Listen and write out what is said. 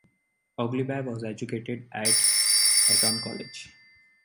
Ogilby was educated at Eton College.